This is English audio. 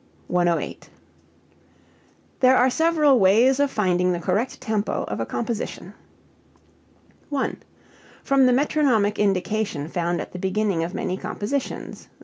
108. There are several ways of finding the correct tempo of a composition: 1. From the metronomic indication found at the beginning of many compositions.